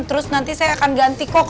terus nanti saya akan ganti kok